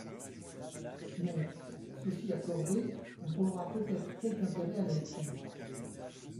Mais, ceci accordé, on trouvera peut-être quelque intérêt à la lecture.